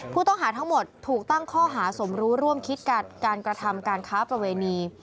ผู้ต้องหาทั้งหมดถูกตั้งข้อหาสมรู้ร่วมคิดการกระทำการค้าประเวณี